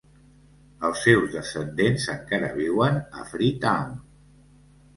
Els seus descendents encara viuen a Freetown.